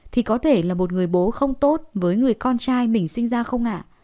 thì có thể là một người bố không tốt với người con trai mình sinh ra không ạ